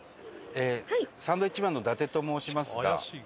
サンドウィッチマンの伊達と申しますが。